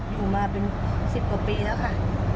อยู่มาเป็น๑๐กว่าปีแล้วค่ะ